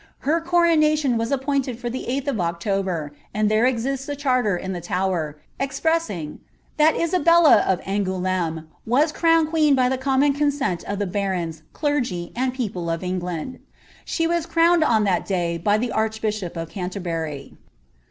Her coronation was appointed for the 8th of Oc kber^ and there exists a charter in the Tower, expressing ^^ that Isabella of Angoid^me was crowned queen by the common consent of the barons, clergy, and people of England."' She was crowned on tliat day by the archbishop of Ganterbury.